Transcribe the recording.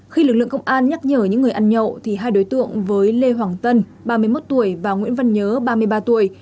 khi lực lượng công an nhắc nhở những người ăn nhậu thì hai đối tượng với lê hoàng tân ba mươi một tuổi và nguyễn văn nhớ ba mươi ba tuổi